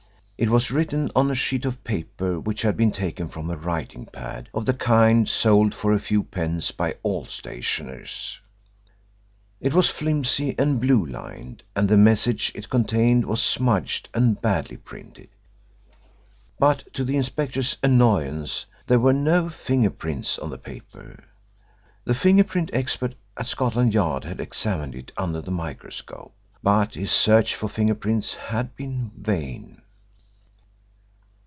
It was written on a sheet of paper which had been taken from a writing pad of the kind sold for a few pence by all stationers. It was flimsy and blue lined, and the message it contained was smudged and badly printed. But to the inspector's annoyance, there were no finger prints on the paper. The finger print expert at Scotland Yard had examined it under the microscope, but his search for finger prints had been vain.